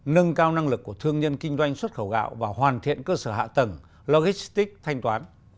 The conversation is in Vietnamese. nâng cao năng lực của thương nhân kinh doanh xuất khẩu gạo và hoàn thiện cơ sở hạ tầng logistic thanh toán